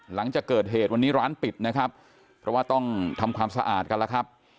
หลังจากเกิดเหตุวันนี้ร้านปิดนะครับเพราะว่าต้องทำความสะอาดกันแล้วครับ